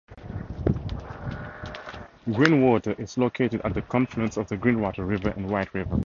Greenwater is located at the confluence of the Greenwater River and White River.